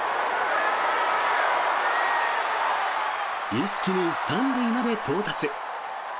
一気に３塁まで到達。